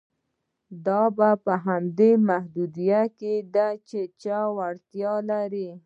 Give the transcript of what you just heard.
دا په هغه محدوده کې ده چې وړتیا لري.